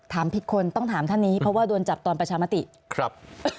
ถามผิดคนต้องถามท่านนี้เพราะว่าโดนจับตอนประชามติครับ